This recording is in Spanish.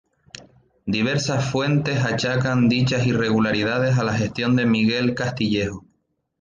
Diversas fuentes achacan dichas irregularidades a la gestión de Miguel Castillejo.